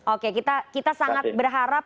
oke kita sangat berharap